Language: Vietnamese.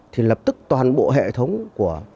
thì lập tức toàn bộ hệ thống của